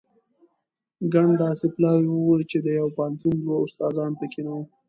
ګڼ داسې پلاوي وو چې د یوه پوهنتون دوه استادان په کې نه وو.